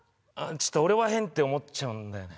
ちょっと俺は変って思っちゃうんだよね